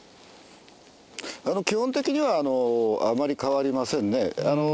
基本的にはあまり変わりませんね。